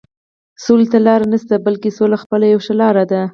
سولې ته لاره نشته، بلکې سوله خپله یوه ښه لاره ده.